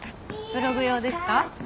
ブログ用ですか？